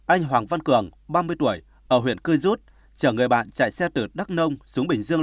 anh hoàng văn cường ba mươi tuổi ở huyện cư rút chở người bạn chạy xe từ đắk nông xuống bình dương